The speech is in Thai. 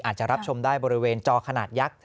อาจจะรับชมได้บริเวณจอขนาดยักษ์